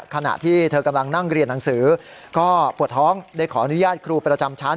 ขณะที่เธอกำลังนั่งเรียนหนังสือก็ปวดท้องได้ขออนุญาตครูประจำชั้น